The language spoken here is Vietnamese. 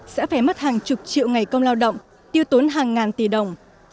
sẽ phải mất hàng chục triệu ngày công lao động tiêu tốn hàng ngàn tỷ đồng